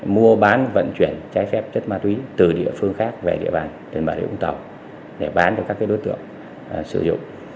mua bán vận chuyển trái phép chất ma túy từ địa phương khác về địa bàn tp hcm để bán cho các đối tượng sử dụng